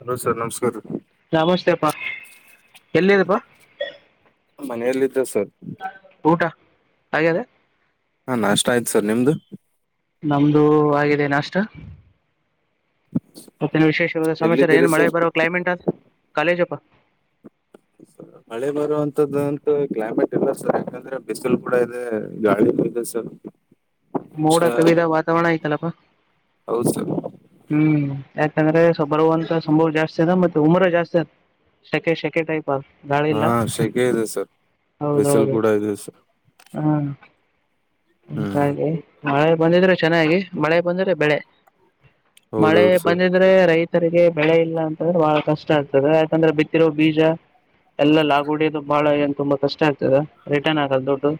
Hello sir ನಮಸ್ಕಾರ ನಮಸ್ೇ ಅಪ್ಪಾ ಎಲ್ಲಿಿದಪ್ಪಾ ಮನೆಯಲ್ಲಿದ್ದ ಸರ್ ಊಟ ಹಾಗದ ಹಾ ನಾ ಅಷ್ಟ ಆಯ್ತು ಸರ್ ನಿಮ್ದು ನಮ್ದು ಆಗಿದೆೇನ ಅಷ್ಟ ಮತ್ತ ವಿಶೇಷವಾದ ಸಮಾಚಾರ ಎಲ್ಲಿದ್ದೀರಿ ಏನ್ ಮಳೆ ಸರ್ ಬರುವೋ ಕ್ಲೈಮೇಟ್ ಅ ಕಾಲೇಜಪ್ಪಾ ಮಳೆ ಬರುವಂತದ್ದಂತ ಕ್ಲೈಮೇಟ್ ಇಲ್ಲ ಸರ್ ಯಾಕಂದ್ರೆ ಬಿಸಿಲು ಕೂಡ ಇದೆ ಗಾಳಿೂ ಇದೆ ಸರ್ ಮೋಡ ಶ ಕವಿದ ವಾತಾವರಣ ಆಯ್ತಲ್ಲಪ್ಪಾ ಹೌದು ಸರ್ ಹ್ಮ್ ಯಾಕಂದ್ರೆ ಬರುವಂತ ಸಂಭವ ಜಾಸ್ತಿ ಅದ ಮತ್ತೆ ಉಮರ ಜಾಸ್ತಿ ಅದ ಸೆಕೆ ಶೆಕೆ ಟೈಪ್ ಅ ಗಾಳಿ ಹಾ ಇಲ್ಲ ಶೆಕೆ ಇದೆ ಸರ್ ಬಿಸಿಲು ಹೌದೌದು ಕೂಡ ಇದೆ ಸರ್ ಹ ಹ್ಮ್ ಹಾಗೆ ಮಳೆ ಬಂದಿದ್ರೆ ಚೆನ್ನಾಗಿ ಮಳೆ ಬಂದ್ರೆ ಬೆಳೆ ಮಳೆ ಹೌದೌದು ಸರ್ ಬಂದಿದ್ರೆ ರೈತ ತರಿಗೆ ಬೆಳೆ ಇಲ್ಲ ಅಂತಂದ್ರೆ ಬಹಳ ಕಷ್ಟ ಆಗ್ತದೆ ಯಾಕಂದ್ರೆ ಬಿತ್ತಿರೋ ಬೀಜ ಎಲ್ಲ ಆಗುಡಿಯೋದು ಬಾಳ ಏನ್ ತುಂಬಾ ಕಷ್ಟ ಆಗ್ತದೆ ರಿಟರ್ನ್ ಆಗಲ್ ದದುಡ್ಡು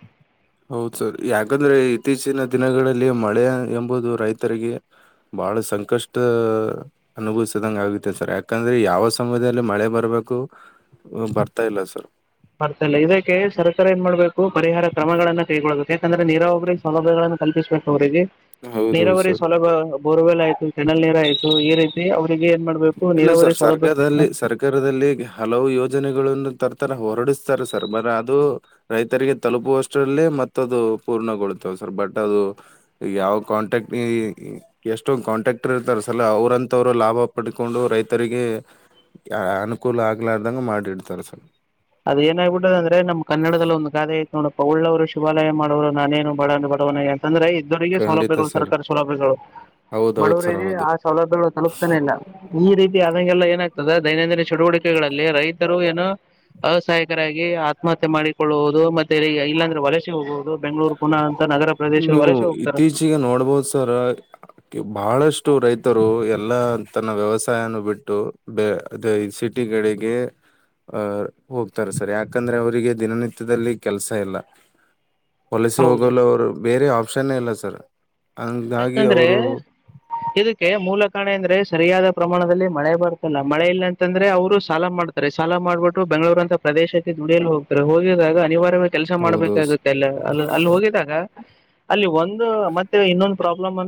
ಹೌದು ಸರ್ ಯಾಕಂದ್ರೆ ಇತ್ತೀಚಿನ ದಿನಗಳಲ್ಲಿ ಮಳೆ ಎಂಬುದು ರೈತರಿಗೆ ಬಹಳ ಸಂಕಷ್ಟ ಅನುಭವಿಸದಂಗ ಆಗುತ್ತೆ ಸರ್ ಯಾಕಂದ್ರೆ ಯಾವ ಸಮಯದಲ್ಲಿ ಮಳೆ ಬರ್ಬೇಕು ಬರ್ತಾ ಇಲ್ಲ ಸರ್ ಬರ್ತ ಇಲ್ಲ ಇದಕ್ಕೆ ಸರ್ಕಾರ ಏನ್ ಮಾಡ್ಬೇಕು ಪರಿಹಾರ ಕ್ರಮಗಳನ್ನ ಕೈಗೊಳ್ಳಳ್ಬೇಕು ಯಾಕಂದ್ರೆ ನೀರಾವಬರಿ ಸೌಲಭ್ಯಗಳನ್ನ ಕಲ್ಪಿಸ್ಬೇಕು ಅವರಿಗೆ ನೀರ ಹೌದೌದು ಬರಿ ಸರ್ ಸವಲಭ ಬೋರ್ವೆಲ್ ಆಯ್ತು ಚನಲ್ ನೀರ ಆಯ್ತು ಏ ರೈತಿ ಇಲ್ಲ ಸರ್ ಸರ್ಕಾರದಲ್ಲಿ ಸರ್ಕಾರದಲ್ಲಿ ಹಲವು ಯೋಜನೆಗಳನ್ನು ತರ್ ತರ ಹೊರಡಿಸ್ತಾರೆ ಸರ್ ಬರ ಅದು ರೈತರಿಗೆ ತಲುಪುವಷ್ಟರಲ್ಲಿ ಮತ್ತದು ಪೂರ್ಣಗೊಳ್ತವ ಸರ್ ಬಟ್ ಅದು ಯಾವ ಕಾಂಟ್ರಾಕ್ಟ್ ಎಷ್ಟೊ ಕಾಂಟ್ರಾಕ್ಟರ್ ಇರ್ತಾರೆ ಸಲ ಅವ್ರಂತವ್ರ ಲಾಭ ಪಡ್ಕೊಂಡು ರೈತರಿಗೆ ಅನುಕೂಲ ಆಗ್ಲಾರ್ದಂಗ ಮಾಡಿಡ್ತಾರ ಸರ್ ಅದ ಏನಾಗ್ಬಿಡದ ಅಂದ್ರೆ ನಮ್ ಕನ್ನಡದದಲ್ಲಿ ಒಂದು ಗಾದೆ ನೋಡಪ್ಪ ಉಳ್ಳವರು ಶುಭಾಲಯ ಮಾಡೋವರು ನಾನೇನು ಬಡ ಬಡವನ ತಂದ್ರೆ ಇದ್ದವರಿಗೆ ಖಂಡಿತ ಸೌಲಭ್ಯಗಳು ಸರ್ ಸರ್ಕಾರಿ ಸೌಲಭ್ಯಗಳು ಹೌದೌದು ಸರ್ ಬಡವರಿಗೆ ಹೌದು ಆ ಸೌಲಭ್ಯಗಳು ತಲುಪ್ತಾನೇ ಇಲ್ಲ ಈ ರೀತಿ ಆದಂಗೆಲ್ಲ ಏನಾಗ್ತದೆ ದೈನಂದಿನ ಚಟುವಟಿಕೆಗಳಲ್ಲಿ ರೈತರು ಏನುೋ ವ್ಯವಸಹಾಯಕರಾಗಿ ಆತ್ಮಹತ್ಯೆ ಮಾಡಿಕೊಳ್ಳುವಹುದು ಮತ್ತೆಗ ಇಲ್ಲಾಂದ್ರೆ ವಲಸೆ ಹೋಗುವಹುದು ಬೆಂಗಳೂರು ಪುನಃ ನಗರ ಪ್ರದೇಶ ನೀವು ವಲಸೆ ಹೋಗ್ತಾರೆ ಇತ್ತೀಚಿಗೆ ನೋಡ್ಬೋದ್ ಸರ್ ಬಹಳಷ್ಟು ಇಷ್ಟು ರೈತರು ಎಲ್ಲಾ ತನ್ನ ವ್ಯವಸಾಯನ ಬಿಟ್ಟು ಬ ಅದ ಸಿಟಿ ಕಡೆಗೆ ಆಹ ಹೋಗ್ತಾರೆ ಸರ್ ಯಾಕಂದ್ರೆ ಅವರಿಗೆ ದಿನನಿತ್ಯದಲ್ಲಿ ಕೆಲಸ ಇಲ್ಲ ಹೊಲಸಿ ಹೌದು ಹೋಗಲ್ಲ ಅವರು ಬೇರೆ ಆಪ್ಷನ್ನೇ ಇಲ್ಲ ಸರ್ ಹಂಗಾಗಿ ಯಾಕಂದ್ರೆ ಅವರು ಇದಕ್ಕೆ ಮೂಲಕ ಅಂದ್ರೆ ಸರಿಯಾದ ಪ್ರಮಾಣದಲ್ಲಿ ಮಳೆ ಬರ್ತಲ್ಲ ಮಳೆ ಇಲ್ಲ ಅಂತಂದ್ರೆ ಅವರು ಸಾಲ ಮಾಡ್ತಾರೆ ಸಾಲ ಮಾಡ್ಬಿಟ್ಟು ಬೆಂಗಳೂರು ಅಂತ ಪ್ರದೇಶಕ್ಕೆ ದುಡಿಯಲು ಹೋಗ್ತಾರೆ ಹೋಗಿದಾಗ ಅನಿವಾರ್ಯ ಕೆಲಸ ಹೌದು ಸ್- ಮಾಡ್ಬೇಕಾಗುತ್ತೆ ಅಲ್ಲ ಅ ಅಲ್ಲಿ ಹೋಗಿದಾಗ ಅಲ್ಲಿ ಒಂದು ಮತ್ತೆ ಇನ್ನೊಂದು ಪ್ರಾಬ್ಲಮ್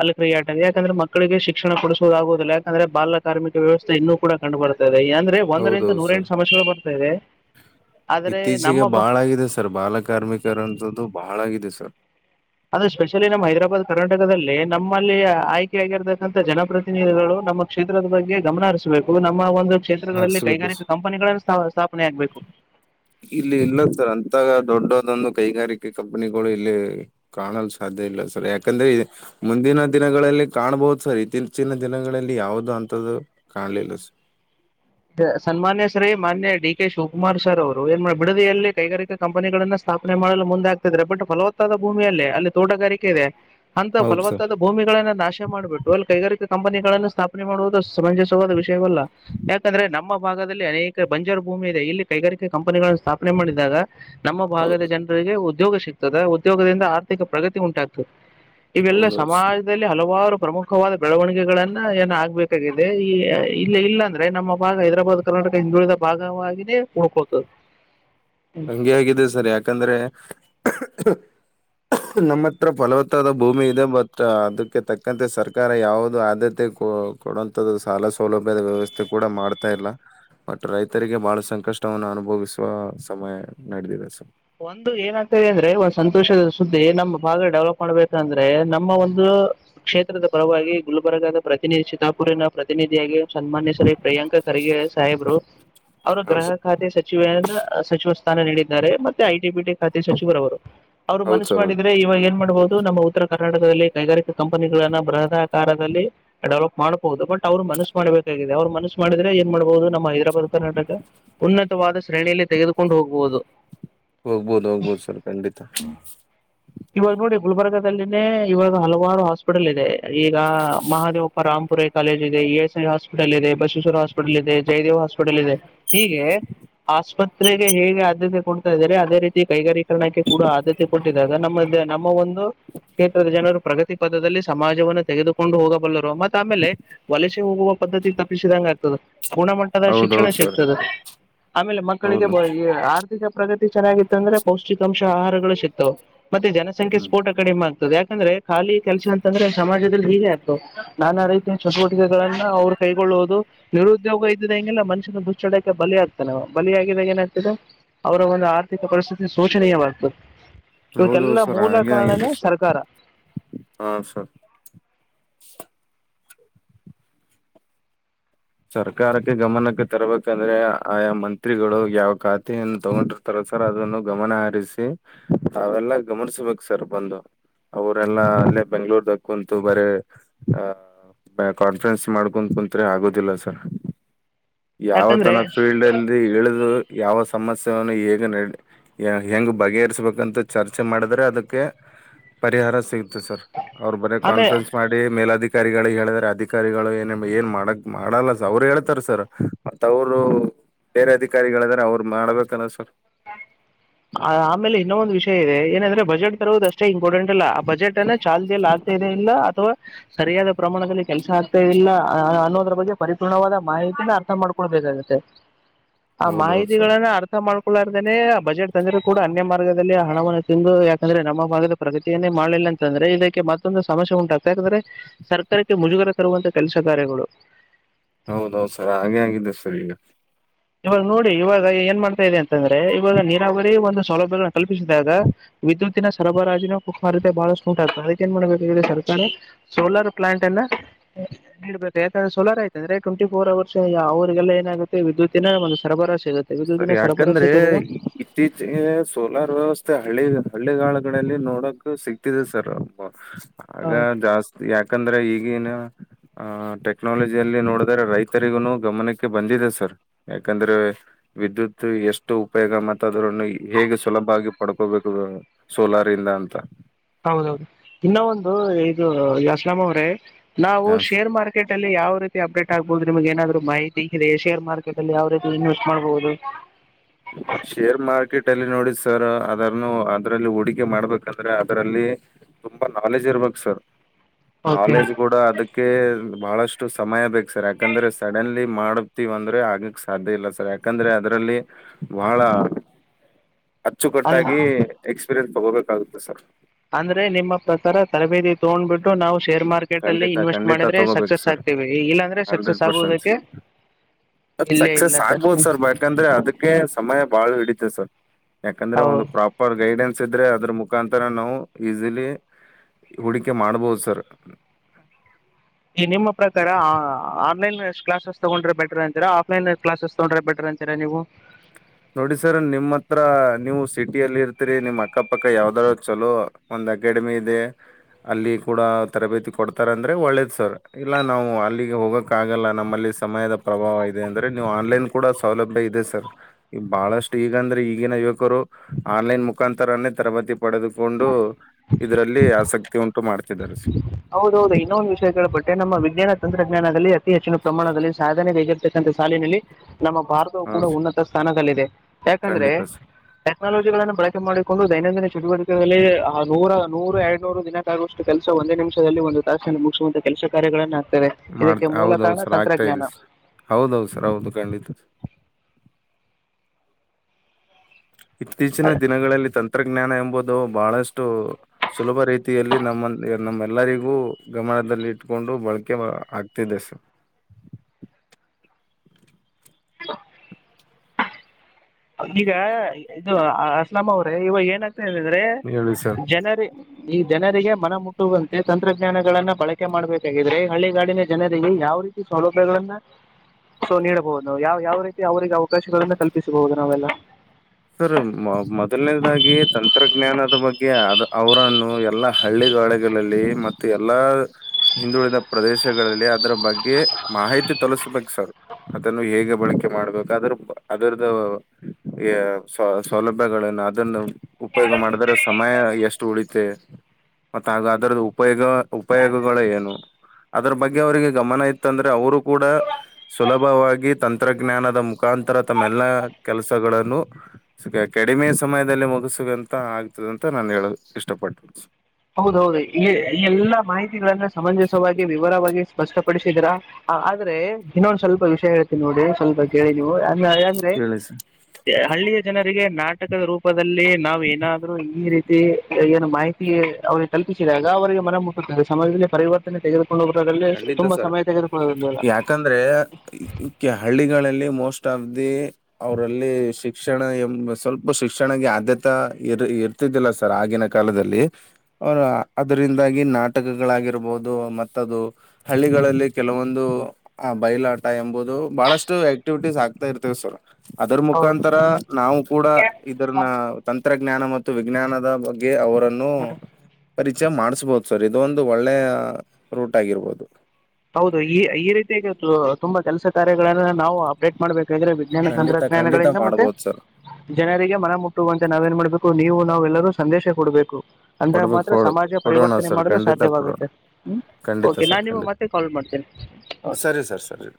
ಅಲ್ಲಿ ಕ್ರಿಯೇಟ್ ಆಗ ಯಾಕಂದ್ರೆ ಮಳಿಗೆ ಶಿಣ ಕೊಡಿಸುವುದುುದಗುದಿಲ್ಲ ಯಾಕಂದ್ರೆ ಬಾಲ ಕಾರ್ಮಿಕ ವ್ಯವಸ್ಥೆ ಇನ್ನುೂ ಕೂಡ ಕಂಡ ಬರ್ತ ಇದೆ ಅಂದ್ರೆ ಒಂದರಿಂತ ಹೌದೌದು ನೂರಂಟು ಸರ್ ಸಮಸ್ಯೆಗಳು ಬರ್ತಾ ಇದೆ ಆದ್ರೆ ಇತ್ತೀಚೆಗೆ ನಮ್ಮಬ ಬಹಳ ಬಾಳಾಗಿದೆ ಸರ್ ಅದು ಸ್ಪೆಷಲಿ ನಮ್ಮ್ ಹೈದರಾಬಾದ್ ಕರ್ನಾಟಕದಲ್ಲಿ ನಮ್ಮಲ್ಲಿ ಆಯ್ಕೆ ಆಗಿರ್ತಕ್ಕಂಥ ಜನಪ್ರತಿನಿಧಿಗಳು ನಮ್ಮ ಕ್ಷೇತ್ರದ ಬಗ್ಗೆ ಗಮನ ಹರಿಸಬೇಕು ನಮ್ಮ ಒಂದು ಕ್ಷೇತ್ರಗಳಲ್ಲಿ ಕೈಗಾರಿಕ ಕಂಪನಿಗಳನ್ನುಾ ಇಲ್ಲ ಇಲ್ಲ ಸರ್ ಅಂತ ದೊಡ್ಡದೊಂದು ಕೈಗಾರಿಕೆ ಕಂಪನಿಗಳು ಇಲ್ಲಿ ಕಾಣಲು ಸಾಧ್ಯ ಇಲ್ಲ ಸರ್ ಯಾಕಂದ್ರೆ ಮುಂದಿನ ದಿನಗಳಲ್ಲಿ ಕಾಣ್ಬಹದು ಸರ್ ಇತ್ತೀಚಿನ ದಿನಗಳಲ್ಲಿ ಯಾವವು್ದ ಅಂತದ್ದು ಕಾಣಲಿಲ್ಲ ಸ ಸನ್ಮಾನ್ಯ ಸ್ರೀ ಮಾನ್ಯ ಡಿ ಕೆ ಶಿವಕುಮಾರ್ ಸರ್ ಅವರು ಏನ್ ಮಾಡ ಬಿಡದಿಯಲ್ಲಿ ಕೈಗಾರಿಕಾ ಕಂಪನಿಗಳನ್ನ ಸ್ಥಾಪನೆ ಮಾಡಲು ಮುಂದೆಾಗ್ತಿದ್ರೆ ಬಟ್ ಫಲವತ್ತಾದ ಭೂಮಿಯಲ್ಲಿ ಅಲ್ಲಿ ತೋಟಗಾರಿಕೆ ಇದೆ ಅಂತ ಹೌದು ಸರ್ ಫಲವತ್ತಾದ ಭೂಮಿಗಳನ್ನ ನಾಶ ಮಾಡ್ಬಿಟ್ಟು ಅಲ್ಲಿ ಕೈಗಾರಿಕೆ ಕಂಪನಿಗಳನ್ನು ಸ್ಥಾಪನೆ ಮಾಡುವುದು ಸಮಂಜಸವಾದ ವಿಷಯವಲ್ಲ ಯಾಕಂದ್ರೆ ನಮ್ಮ ಭಾಗದಲ್ಲಿ ಅನೇಕ ಬಂಜಾರ ಭೂಮಿ ಇದೆ ಇಲ್ಲಿ ಕೈಗಾರಿಕಾ ಕಂಪನಿಗಳನ್ನು ಸ್ಥಾಪನೆ ಮಾಡಿದಾಗ ನಮ್ಮ ಭಾಗದ ಹೌದು ಜನರಿಗೆ ಉದ್ಯೋಗ ಸಿಗ್ತದೆ ಉದ್ಯೋಗದಿಂದ ಆರ್ಥಿಕ ಪ್ರಗತಿ ಉಂಟಾಗ್ತದೆ ಇವೆಲ್ಲ ಹೌದೌದು ಸರ್ ಸಮಾಜದಲ್ಲಿ ಹಲವಾರು ಪ್ರಮುಖವಾದ ಬೆಳವಣಿಗೆಗಳನ್ನ ಏನು ಆಗ್ಬೇಕಾಗಿದೆ ಈ ಇಲ್ಲ ಇಲ್ಲ ಅಂದ್ರೆ ಅೇ ನಮ್ಮ ಭಾಗ ಹೈದ್ರಾಬಾದ್ ಕರ್ನಾಟಕ ಹಿಂದುಳಿದ ಭಾಗವಾಗಿನೇ ಉಳ್ಕೋತದೆ ಹಂಗಗೆ ಆಗಿದೆ ಸರ್ ಯಾಕಂದ್ರೆ ನಮ್ಮತ್ರ ಫಲವತ್ತಾದ ಭೂಮಿ ಇದೆ ಬಟ್ ಅದಕ್ಕೆ ತಕ್ಕಂತೆ ಸರ್ಕಾರ ಯಾವುದು ಆದ್ಯತೆ ಕೊ ಕೊಡಂತದ್ದು ಸಾಲ ಸೌಲಭ್ಯದ ವ್ಯವಸ್ಥೆ ಕೂಡ ಮಾಡ್ತಾ ಇಲ್ಲ ಬಟ್ ರೈತರಿಗೆ ಬಹಳ ಸಂಕಷ್ಟವನ್ನು ಅನುಭವಿಸುವ ಸಮಯ ನಡೆದಿದೆ ಸ ಒಂದು ಏನತದೆ ಅಂದ್ರೆ ಒ ಸಂತೋಷದ ಸುದ್ದಿ ನಮ್ಮ ಭಾಗ ಡೆವಲಪ್ ಮಾಡ್ಬೇಕಂದ್ರೆ ನಮ್ಮ ಒಂದು ಕ್ಷೇತ್ರದ ಪರವಾಗಿ ಗುಲ್ಬರ್ಗದ ಪ್ರತಿನಿಧಿ ಚಿತಾಪೂರಿನ ಪ್ರತಿನಿಧಿಯಾಗಿ ಸನ್ಮಾನ್ಯ ಶ್ರೀ ಪ್ರಿಯಾಂಕಾ ಖರ್ಗೆ ಸಾಹೇಬರು ಅವರು ಹೌದು ಗೃಹ ಸರ್ ಖಾತೆ ಸಚಿವ ಸಚಿವ ಸ್ಥಾನ ನೀಡಿದ್ದಾರೆ ಚಐಿ ಬಿಟ್ಟ ಖಾತೆ ಸಚಿವರವರು ಅವರು ಹೌದು ಮನಸ್ು ಸರ್ ಹೌದು ಮಾಡಿದ್ರ ಇವ ನ್ ಮಾಡ್ಬಹುದು ನಮ್ಮ ಉತ್ತರ ಕರ್ನಾಟಕದಲ್ಲಿ ಕೈಗಾರಿಕಾ ಕಂಪನಿಗಳನ್ನ ಬೃಹಾಕಾರದಲ್ಲಿ ಡೆವಲಪ್ ಮಾಡ್ಬಹುದು ಬಟ್ ಅವರು ಮನಸ್ಸ ಮಾಡಬೇಕಾಗಿದೆ ಅವ್ರು ಮನಸ್ಸು ಮಾಡಿದ್ರೆ ಏನ್ ಮಾಡ್ಬಹುದು ನಮ್ಮ ಹೈದರಾಬಾದ್ ಕರ್ನಾಟಕ ಉನ್ನತವಾದ ಶ್ರೇಣಿಯಲ್ಲಿ ತೆಗೆದುಕೊಂಡು ಹೋಗ್ಬಹುದು ಹೋಗ್ಬೋದು ಹೋಗ್ಬೋದು ಸರ್ ಖಂಡಿತ ಇವಾಗ ನೋಡಿ ಗುಲ್ಬರ್ಗದಲ್ಲಿನೇ ಇವಾಗ ಹಲವಾರು ಹಾಸ್ಪಿಟಲ್ ಇದೆ ಈಗ ಮಹಾದೇವಪ್ಪ ರಾಮಂಪುರಿ ಕಾಲೇಜ ಇದೆ ಇ ಎಸ್ ಐ ಹಾಸ್ಪಿಟಲ್ ಇದೆ ಬಸವ್ವರ ಹಾಸ್ಪಿ ಹಸ್ಪಿಟಲ್ ಇದೆ ಜಯದೇವ್ ಹಾಸ್ಪಿಟಲ್ ಇದೆ ಹೀಗೆ ಆಸ್ಪತ್ ಜರೆಗೆ ಹೇಗೆ ಆದ್ಯತೆ ಕೊಡ್ತಾ ಇದ್ದಾರೆ ರೀತಿ ಕೈಗಾರೀಕರಣಕ್ಕೆ ಕೂಡ ಆದ್ಯತೆ ಕೊಟ್ಟಿದ್ದಾಗ ನಮ್ಮ ನಮ್ಮ ಒಂದು ಕ್ಷೇತ್ರದ ಜನರು ಪ್ರಗತಿ ಪದದಲ್ಲಿ ಸಮಾಜವನ್ನು ತೆಗೆದುಕೊಂಡು ಹೋಗಬಲ್ಲರು ಮತ್ತೆ ಆಮೇಲೆ ವಲಸೆ ಹೋಗುವ ಪದ್ಧತಿ ತಪ್ಪಿಸಿದಂಗ ಆಗ್ತದೆ ಗುಣಮಟ್ಟದ ಶಿಕ್ಷಣ ಹೌದೌದು ಸರ್ ಸಿಗ್ತದೆ ಆಮೇಲೆ ಮಕ್ಕಳಿಗೆ ಹೌದು ಆರ್ ಪ್ರಗತಿ ಚೆನ್ನಾಗಿ ಇತ್ತಂದ್ರೆ ಪೌಷ್ಟಿಕಾಂಶ ಆಹಾರಗಳು ಸಿಕ್ತವು ಮತ್ತೆ ಜಸಖೆ ಸ್ಫೋಟ ಕಡಿಮೆ ಆಗ್ತದೆ ಯಾಕಂದ್ರೆ ಖಾಲಿ ಕೆಲಸ ಅಂತಂದ್ರೆ ಸಮಾಜದಲ್ಲಿ ಹೀಗೆ ಆಗ್ತು ನಾನಾ ರೀತಿಯ ಚಟುವಟಿಕೆಗಳನ್ನ ಅವ್ರು ಕೈಗೊಳ್ಳುವುದು, ನಿರುದ್ಯೋಗ ಇದ್ದು ಹಂಗಿಲ್ಲಲ್ಲ ಮನುಷ್ಯನ ದುಶ್ಚಟಕ್ಕೆ ಬಲಿ ಆಗ್ತಾನ ಬಲಿಯ ಆಗಿದಾಗ ಏನಾಗ್ತದೆ ಅವರ ಒಂದು. ಪರಿಸ್ಥಿತಿ ಶೋಚಣೀಯವಾಗ್ತದೆ. ಹೌದೌದು ಸರ್ ಹಾಗೆ ಆಗಿದೆ ಸರ್, ಹಾ ಸರ್. ಸರ್ಕಾರಕ್ಕೆ ಗಮನಕ್ಕೆ ತರಬೇಕಂದ್ರೆ ಆಯಾ ಮಂತ್ರಿಗಳು ಯಾವ ಖಾತೆಯನ್ನು ತಗೊಂಡಿರ್ತಾರ ಸರ್, ಅದನ್ನು ಗಮನ ಹರಿಸಿ ಅವೆಲ್ಲ ಗಮನಿಸಬೇಕು. ಸರ್ ಬಂದು ಅವರೆಲ್ಲ ಅಲ್ಲೇ ಬೆಂಗ್ಳೂರ್ದ ಕುಂತು ಬರ ಆ ಕಾನ್ಫರೆನ್ಸ್ ಮಾಡ್ಕೊ ಕುಂತ್ರೆ ಆಗೋದಿಲ್ಲ. ಸರ್ ಯಾಕಂದ್ರೆ ಯಾವತನ ಫೀಲ್ಡ್ ಅಲ್ಲಿ ಇಳಿದು ಯಾವ ಸಮಸ್ಯೆನ್ನ ಹೇಗೆ ನ ಹೆಂಗ ಬಗೆಹರ್ರಿಸಬೇಕಂತ ಚರ್ಚೆ ಮಾಡಿದ್ರೆ ಅದಕ್ಕೆ ಪರಿಹಾರ ಸಿಗ್ತ ಸರ್ ಅವ್ರು ಬನೆ ಆಮೇ ಕಾನ್ಫರೆನ್ಸ್ ಮಾಡಿ ಮೇಲಾದಿ ಅಧಿಕಾರಿಗಳಿಗೆ ಹೇಳಿದ್ರರೆ ಅಧಿಕಾರಿಗಳು ಏ ಏನ್ ಮಾಡಕ್ ಮಾಡಲ್ಲ. ಅವ್ರು ಹೇಳ್ತಾರ ಸರ್, ಮತ್ತ ಅವರು ಬೇರೆ ಅಧಿಕಾರಿಗಳಾದಾರೆ ಅವ್ರು ಮಾಡ್ಬೇಕಂದ ಸರ್. ಇನ್ನೊ ಒಂದು ವಿಷಯ ಇದೆ ಏನಂದ್ರೆ ಬಜೆಟ್ ತರದಷ್ಟೇ ಇಂಪಾರ್ಟೆಂಟಲ್ಲ, ಆ ಬಜೆಟ್ ಅನ್ನ ಚಾಲ್ದಿಯಲ್ಲಿ ಆಗ್ತಾ ಇದೆ ಇಲ್ಲ ಅಥವಾ ಸರಿಯಾದ ಪ್ರಮಾಣದಲ್ಲಿ ಕೆಲ್ಸ ಆಗ್ತಾ ಇಲ್ಲ ಅ ಅನ್ನೋದ್ರ ಬಗ್ಗೆ ಪರಿಪೂರ್ಣವಾದ ಮಾಹಿತಿನ ಅರ್ಥ ಮಾಡ್ಕೊಳ್ಬೇಕಾಗತ್ತೆ. ಆ ಹೌದೌದು ಸರ್ ಮಾಹಿತಿಗಳನ್ನ ಅರ್ಥ ಮಾಡ್ ಳ್ಳರ್ದೆನೆ ಬಜೆಟ್ ತಂದ್ರ ಕೂ ಅನ್ಯಮ ದಲ್ಲಿ ಹಣವನ್ನು ತಿಂದು ಯಾಕಂದ್ರೆ ನಮ್ಮ ಭಾಗದ ಪ್ರಗತಿಯನ್ನೇ ಮಾಡ್ಲಿಲ್ಲ ಅಂತಂದ್ರೆ, ಇದಕ್ಕೆ ಮತ್ತೊಂದು ಸಮಸ್ಯೆ ಉಂಟಾಗ್ತದೆ ಯಾಕಂದ್ರೆ ಸರ್ಕಾರಕ್ಕೆ ಮುಜುಗರ ತರುವಂತ ಕೆಲಸ ಕಾರ್ಯಗಳು. ಹೌದೌದು ಸರ್ ಹಾಗೆ ಆಗಿದ್ದೇ ಸರ್ ಈಗ ಇವಾಗ ನೋಡಿ ಇವಾಗ ಏನ್ ಮಾಡ್ತಾ ಇದೆ ಅಂತಂದ್ರೆ ಇವಾಗ ನೀರಾವರಿ ಒಂದು ಸೌಲಭ್ಯಗಳು ಕಲ್ಪಿಸಿದಾಗ ವಿದ್ವತ್ ತ್ತಿನ ಸರಬರಾಜಿನ ಕೊರತೆ ಬಹಳ ಸ್ಟೂಟ್ ಆಗ್ತದೆ ಅದಕ್ಕೆ ಏನ್ ಮಾಡಬೇಕ್ರೆ ಸರ್ಕಾರ ಸೋಲಾರ್ ಪ್ಲಾಂಟ್ ಅನ್ನ ನೀಡಬೇಕು, ಯಾಕಂದ್ರೆ ಸೋಲಾರ್ ಆಯ್ತು ಅಂದ್ರೆ, ಟ್ವೆಂಟಿ ಫೋರ್ ಅವರ್ಸ್ ಅವ್ರರಿಗೆಲ್ಲ ಏನಾಗುತ್ತೆ ವಿದ್ಯುತ್ ಒಂದು ಸರಬರಾಜು ಸರಿ ಯಾಕಂದ್ರೆ ಇತ್ತೀಚೆಗೆ ಸೋಲಾರ್ ವ್ಯವಸ್ಥೆ ಹಳ್ಳಿ ಹಳ್ಳೆಗಾಲಗಳಲ್ಲಿ ನೋಡೋಕ ಸಿಕ್ತಿದೆ ಸರ್. ಆಗ ಜಾಸ್ತಿ ಯಾಕಂದ್ರೆ ಈಗ ಈಗಿನ ಆಹ ಟೆಕ್ನಾಲಜಿಯಲ್ಲಿ ನೋಡಿದ್ರ ರೈತರಿಗು ಗಮನಕ್ಕೆ ಬಂದಿದೆ ಸರ್ ಯಾಕಂದ್ರೆ ವಿದ್ಯುತ್ ಎಷ್ಟು ಉಪಯೋಗ ಮತ್ತ ಅದ್ರನ್ನು ಹೇಗೆ ಸುಲಭಗ ಪಡ್ಕೋಬೇಕು ಸೋಲಾರಿಂದ ಅಂತ. ಹೌದೌದು ಇನ್ನ ಒಂದು ಇದು ಅಸ್ಲಂ ಅವ್ರೇ ನಾವು ಶೇರ್ ಮಾರ್ಕೆಟ್ ಅಲ್ಲಿ ಯಾವ ರೀತಿ ಅಪ್ಡೇಟ್ ಆಗ್ಬಹುದು ನಿಮ್ಗೆ ಏನಾದರು ಮಾಹಿತಿ ಇದೆ ಶೇರ್ ಮಾರ್ಕೆಟ್ ಅಲ್ಲಿ ಯಾವ ರೀತಿ ಇನ್ವೆಸ್ಟ್ ಮಾಡ್ಬಹುದು. ಶೇರ್ ಮಾರ್ಕೆಟ್ ಅಲ್ಲಿ ನೋಡಿ ಸರ್ ಅದನ್ನು ಅದರಲ್ಲಿ ಹೂಡಿಕೆ ಮಾಡ್ಬೇಕಂದ್ರೆ ಅದರಲ್ಲಿ ತುಂಬಾ ನಾಲೆಜ್ ಇರ್ಬೇಕು ಸರ್. ಓಕೆ ನಾಲೆಜ್ ಕೂಡ ಅದಕ್ಕೆ ಬಹಳಷ್ಟು ಸಮಯ ಬೇಕು ಸರ್ ಯಾಕಂದ್ರೆ ಸಡನ್ಲಿ ಮಾಡತಿವ ಅಂದ್ರೆ ಆಗಕ್ ಸಾಧ್ಯ ಇಲ್ಲ ಸರ್, ಯಾಕಂದ್ರೆ ಅದರಲ್ಲಿ ಬಾಳ ಹಚ್ಚು ಅಂದ್ರ ಕೊಟ್ಟಾಗಿ ಎಕ್ಸ್ ಸಸ್ ತಗೋಗೋಬೇಕಾಗುತ್ತೆ ಸರ್. ಅಂದ್ರೆ ನಿಮ್ಮ ಪ್ರಕಾರ ತರಬೇತಿ ತೊಗೊಂಡ್ಬಿಟ್ಟು ನಾವು ಶೇರ್ ಮಾರ್ಕೆಟ್ ಅಲ್ಲಿ ಖಂಡಿತ ಇನ್ವೆಸ್ಟ್ ಖಂಡಿತ ಮಾಡಿದ್ರೆ ತಗೋಬೇಕು ಸಕ್ಸಸ್ ಸರ್ ಆಗ್ತೇವಿ ಇಲ್ಲಾಂದ್ರೆ ಹಂಡ್ರೆಡ್ ಸಕ್ಸಸ್ ಪರ್ಸೆಂಟ್ ಆಗುವುದಕ್ಕೆ ಇಲ್ಲೇ ಇಲ್ಲ ಸಕ್ಸಸ್ ಆಗ್ಬೋದು ಸರ್ ಬಕಂದ್ರೆ ಅದಕ್ಕೆ ಸಮಯ ಬಾಳ ಹಿಡಿತೆ ಸರ್ಸ ಯಾಕಂದ್ರೆ ಹೌದು ಒಂದು ಪ್ರಾಪರ್ ಗೈಡೆನ್ಸ್ ಿದ್ರೆ ಅದ್ರ ಮುಖಾಂತರ ನಾವು ಈಸಿಲಿ ಹೂಡಿಕೆ ಮಾಡಬಹುದು ಸರ್ ಈ ನಿಮ್ಮ ಪ್ರಕಾರ ಆನ್ಲೈನ್ ಕ್ಲಾಸಸ್ ತಗೊಂಡ್ರೆ ಬೆಟರ್ ಅಂತೀರಾ ಆಫ್ಲೈನ್ ಕ್ಲಾಸಸ್ ತಗೊಂಡ್ರೆ ಬೆಟರ್ ಅಂತೀರಾ ನೀವು ನೋಡಿ ಸರ್ ನಿಮ್ಮ ಹತ್ರ ನೀವು ಸಿಟಿಯಲ್ಲಿ ಇರ್ತೀರಿ ನಿಮ್ಮ್ ಅಕ್ಕಪಕ್ಕ ಯಾವ್ದಾರ ಚಲೋ ಒಂದ್ ಅಕಾಡೆಮಿ ಇದೆ ಅಲ್ಲಿ ಕೂಡ ತರಬೇತಿ ಕೊಡ್ತಾರ ಅಂದ್ರೆ ಒಳ್ಳೇದ ಸರ್ ಇಲ್ಲ ನಾವು ಅಲ್ಲಿಗೆ ಹೋಗಕ್ ಆಗಲ್ಲ ನಮ್ಮಲ್ಲಿ ಸಮಯದ ಪ್ರಭಾವ ಇದೆ ಅಂದ್ರೆ ನೀವು ಆನ್ಲೈನ್ ಕೂಡ ಸೌಲಭ್ಯ ಇದೆ ಸರ್ ಈ ಬಹಳಷ್ಟು ಈಗಂದ್ರೆ ಈಗಿನ ಯುವಕರು ಆನ್ಲೈನ್ ಮುಖಾಂತರನೇ ತರಬೇತಿ ಪಡೆದುಕೊಂಡು ಇದರಲ್ಲಿ ಆಸಕ್ತಿ ಉಂಟು ಮಾಡ್ತಿದಿದ್ದಾರೆ ಹೌದೌದು ಇನ್ನೊಂದು ವಿಷಯಗಳ ಬಗ್ಗೆ ನಮ್ಮ ವಿಜ್ಞಾನ ತಂತ್ರಜ್ಞಾನದಲ್ಲಿ ಅತಿ ಹೆಚ್ಚಿನ ಪ್ರಮಾಣದಲ್ಲಿ ಸಾಧನೆ ಬೇಗಿರ್ತಕ್ಕಂಥ ಸಾಲಿನಲ್ಲಿ ನಮ್ಮ ಭಾರತವು ಹಾ ಕೂಡ ಸರ್ ಉನ್ನತ ಸ್ಥಾನದಲ್ಲಿದೆ ಯಾಕಂದ್ರೆ ಖಂಡಿತ ಸರ್ ಟೆಕ್ನಾಲಜಿಗಳನ್ನು ಬಳಕೆ ಮಾಡಿಕೊಂಡು ದೈನಂದಿನ ಚಟುವಟಿಕೆಗಳಲ್ಲಿ ನೂರ ನೂರು ಎರಡು ನೂರು ದಿನಕ್ಕಾಗುವಷ್ಟು ಕೆಲಸ ಒಂದೇ ನಿಮಿಷ ಒಂದು ತಾಸಾನ ಮುಗಿಸುವಂತಹ ಕೆಲಸ ಕಾರ್ಯಗಳನ್ನು ಆಗ್ತವೆ ಇದಕ್ಕೆ ಮಾಡ್ತ ಮೂಲ ಹೌದೌದು ಕಾರಣ ಸರ್ ಆಗ್ತಾ ಇದೆ ತಂತ್ರಜ್ಞಾನ ಹೌದೌ ಸರ್ ಹೌದು ಖಂಡಿತ ಇತ್ತೀಚಿನ ದಿನಗಳಲ್ಲಿ ತಂತ್ರಜ್ಞಾನ ಎಂಬುದು ಇದು ಬಹಳಷ್ಟು ಸುಲಭ ರೀತಿಯಲ್ಲಿ ನಮ್ಮ ನಮ್ಮೆಲ್ಲರಿಗೂ ಗಮನದಲ್ಲಿ ಇಟ್ಕೊಂಡು ಬಳಕೆ ಆಗ್ತಿದೆ ಸ ಈಗ ಇದು ಅಸ್ಲಾಂ ಅವ್ರೆ ಇವಾಗ ಏನತ ನಂದ್ರೆ ಹೇಳಿ ಸರ್ ಜನರಿ ಈ ಜನರಿಗೆ ಮನ ಮುಟ್ಟುವಂತೆ ತಂತ್ರಜ್ಞಾನಗಳನ್ನ ಬಳಕೆ ಮಾಡ್ಬೇಕಾಗಿದ್ರೆ ಹಳ್ಳಿಗಾಡಿನ ಜನರಿಗೆ ಯಾವ ರೀತಿ ಸೌಲಭ್ಯಗಳನ್ನ ಸೊ ನೀಡಬಹುದು ಯಾವ ಯಾವ ರೀತಿ ಅವರಿಗೆ ಅವಕಾಶಗಳನ್ನ ಕಲ್ಪಿಸಿ ಸಿಬಹುದು ನಾವೆಲ್ಲ ಸರ್ ಮ ಮೊದಲನೇದಾಗಿ ತಂತ್ರಜ್ಞಾನದ ಬಗ್ಗೆ ಅದು ಅವ್ರನ್ನು ಎಲ್ಲಾ ಹಳ್ಳಿಗಾಳಿಗಳಲ್ಲಿ ಮ ಎಲ್ಲಾ ಹಿಂದುಳಿದ ಪ್ರದೇಶಗಳಲ್ಲಿ ಅದ್ರ ಬಗ್ಗೆ ಮಾಹಿತಿ ತಲ್ಸ್ಬೇಕು ಸರ್ ಅದನ್ನು ಹೇಗೆ ಬಳಕೆ ಮಾಡ್ಬೇಕು ಅದ್ರ ಅದರ್ದ ಸ ಸೌಲಭ್ಯಗಳೇನು ಅದನ್ನು ಉಪಯೋಗ ಮಾಡಿದ್ರೆ ಸಮಯ ಎಷ್ಟು ಉಳಿತೆ ಮತ್ತ ಹಾಗ ಅದರದ ಉಪಯೋಗ ಉಪಯೋಗಗಳು ಏನು ಅದ್ರ ಬಗ್ಗೆ ಅವರಿಗೆ ಗಮನ ಇತ್ತಂದ್ರೆ ಅವರು ಕೂಡ ಸುಲಭವಾಗಿ ತಂತ್ರಜ್ಞಾನದ ಮುಖಾಂತರ ತಮ್ಮೆಲ್ಲಾ ಕೆಲಸಗಳನ್ನು ಕಡಿಮೆ ಸಮಯದಲ್ಲಿ ಮುಗಸುಗಂತ ಆಗ್ತದಂತ ನಾನನ್ ಹೇಳ ಇಷ್ಟಪಟ್ಟ ಹೌದೌದು ಈ ಎಲ್ಲಾ ಮಾಹಿತಿಗಳನ್ನ ಸಮಂಜಸವಾಗಿ ವಿವರವಾಗಿ ಸ್ಪಷ್ಟ ಪಡಿಸಿದೀರಾ ಆದ್ರೆ ಇನ್ನೊಂದು ಸ್ವಲ್ಪ ವಿಷಯ ಹೇಳ್ತೀನಿ ನೋಡಿ ಸ್ವಲ್ಪ ಕೇಳಿ ನೀವು ಅಂದ್ರೆ ಹೇಳಿ ಸರ್ ಹಳ್ಳಿ ಜನರಿಗೆ ನಾಟಕದ ರೂಪದಲ್ಲಿ ನಾವು ಏನಾದ್ರೂ ಈ ರೀತಿ ಏನು ಮಾಹಿತಿ ಅವರಿಗೆ ಕಲ್ಪಿಸಿದಾಗ ಅವರಿಗೆ ಮನ ಮುಟ್ಟುತ್ತದೆ ಸಮಾಜದಲ್ಲಿ ಪರಿವರ್ತನೆ ತೆಗೆತ್ತೆ ಖಂಡಿತ ಸರ್ ಯಾಕಂದ್ರೆ ಕೆ ಹಳ್ಳಿಗಳಲ್ಲಿ ಮೋಸ್ಟ್ ದಿ ಅವರಲ್ಲಿ ಶಿಕ್ಷಣ ಎ ಸ್ವಲ್ಪ ಶಿಕ್ಷಣಗೆ ಆದ್ಯತೆ ಇರ್ ಇರ್ತಿದ್ದಿಲ್ಲ ಸರ್ ಆಗಿನ ಕಾಲದಲ್ಲಿ ಅವ ಅದರಿಂದಾಗಿ ನಾಟಕಗಳಾಗಿರ್ಬಹುದು ಮತ್ತದು ಹಳ್ಳಿಗಳಲ್ಲಿ ಕೆಲವೊಂದು ಆ ಬಯಲಾಟ ಎಂಬುದು ಬಹಳಷ್ಟು ಆಕ್ಟಿವಿಟೀಸ್ ಆಗ್ತಾ ಇರ್ತೇವಿ ಸರ್ ಅದರ ಹೌದು ಮುಖಾಂತರ ನಾವು ಕೂಡ ಇದ್ರನ್ನ ತಂತ್ರಜ ಜ್ಞಾನ ಮತ್ತು ವಿಜ್ಞಾನದ ಬಗ್ಗೆ ಅವರು ಪ ಚೆ ಮಾಡ್ಿಸಬಹದು ಸರ್ ಇದೊಂದು ಒಳ್ಳೆ ರ ಆಗಿರ್ಬೋದು ಹೌದು ಈ ಈ ರೀತಿಿಯಾಗಿ ತುಂಬಾ ಕೆಲಸ ಕಾರ್ಯಗಳನ್ನ ನಾವು ಅಪ್ಡೇಟ್ ಮಾಡ್ಬೇಕು ಾ್ರೆ ವಿಜ್ಞಾನ ಖಂಡಿತ ಖಂಡಿತ ತಂತ್ರಜ್ಞಾನಗಳಿಂದ ಮತ್ತೆ ಮಾಡ್ಬೋದು ಸರ್ ಜನರಿಗೆ ಮನ ಮುಟ್ಟುವಂತೆ ನಾವೇಏನ್ ಮಾಡ್ಬೇಕು ನೀವು ನಾವೆಲ್ಲರೂ ಸಂದೇಶ ಕೊಡ್ಬೇಕು ಅಂದ್ರಾಗ ಕೊಡ್ಬೇಕು ಮಾತ್ರ ಕೊಡು ಸಮಾಜ ಕೊಡೋಣ ಪರಿವರ್ತನೆ ಸರ್ ಮಾಡಲು ಖಂಡಿತ ಕೊಡೋಣ ಸಾಧ್ಯವಾಗುತ್ತೆ ಹ್ಮ ಖಂಡಿತ ಕೆ ನಾ ಸರ್ ನಿ ಖಂಡಿತ ಮತ್ತೆ ಾಲ್ ಮಾಡ್ತೇನೆ ಹೌ ಸರಿ ಸರ್ ಸರಿ